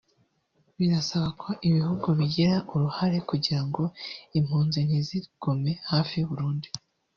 birasaba ko ibihugu bigira uruhare kugira ngo impunzi ntizigume hafi y’u Burundi